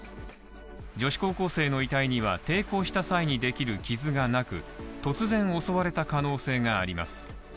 女子高校生の遺体には抵抗した際に出来る傷がなく突然襲われた可能性があります